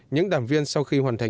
những đảng viên sau khi hoàn thành